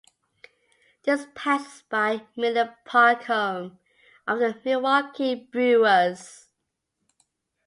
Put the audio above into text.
This passes by Miller Park, home of the Milwaukee Brewers.